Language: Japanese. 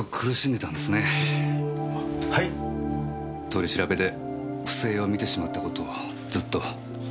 取り調べで不正を見てしまった事をずっと。